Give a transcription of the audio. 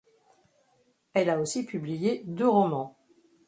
Elle a aussi publié deux romans.